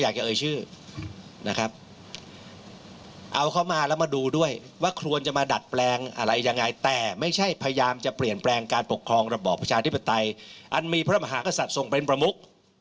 คุณผู้ชมไปของระบบประชาธิปไตยอันมีพระมหาขสัตว์ส่งเป็นประมุก